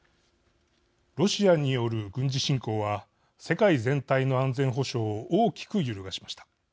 ロシアによる軍事侵攻は世界全体の安全保障を大きく揺るがしました。